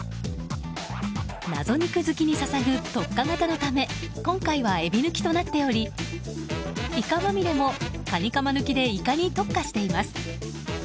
謎肉好きに捧ぐ特化型のため今回はエビ抜きとなっておりイカまみれもカニカマ抜きでイカに特化しています。